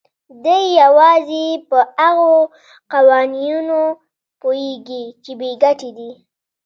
دی يوازې پر هغو قوانينو پوهېږي چې بې ګټې دي.